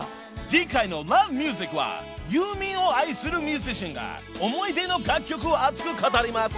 ［次回の『Ｌｏｖｅｍｕｓｉｃ』はユーミンを愛するミュージシャンが思い出の楽曲を熱く語ります］